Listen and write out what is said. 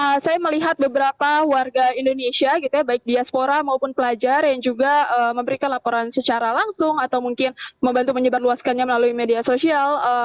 ya sejauh ini saya melihat beberapa warga indonesia baik diaspora maupun pelajar yang juga memberikan laporan secara langsung atau mungkin membantu menyebar luaskannya melalui media sosial